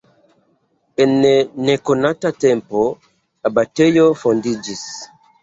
En nekonata tempo abatejo fondiĝis.